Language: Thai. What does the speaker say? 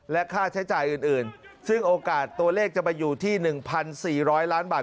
และค่าใช้จ่ายอื่นซึ่งโอกาสตัวเลขจะไปอยู่ที่หนึ่งพันสี่ร้อยล้อนบาท